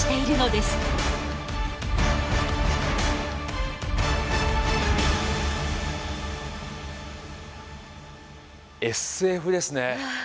ＳＦですね。